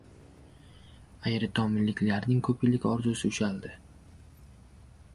Ayritomliklarning koʻp yillik orzusi ushaldi.